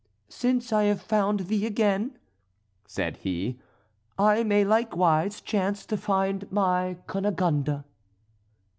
"Since I have found thee again," said he, "I may likewise chance to find my Cunegonde."